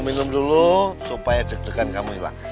minum dulu supaya deg degan kamu hilang